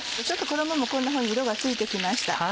ちょっと衣もこんなふうに色がついて来ました。